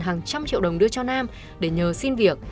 hàng trăm triệu đồng đưa cho nam để nhờ xin việc